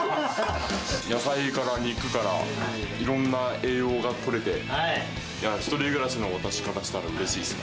野菜から肉から、いろんな栄養がとれて、１人暮らしの私からしたらうれしいですね。